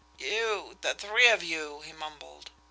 "You the three of you!" he mumbled.